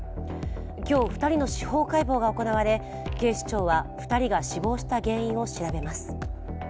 今日、２人の司法解剖が行われ警視庁は２人が死亡した原因を調べています。